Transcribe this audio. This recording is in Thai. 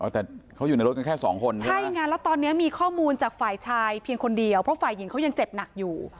แต่เขาอยู่ในรถกันแค่สองคนนะใช่ไงแล้วตอนนี้มีข้อมูลจากฝ่ายชายเพียงคนเดียวเพราะฝ่ายหญิงเขายังเจ็บหนักอยู่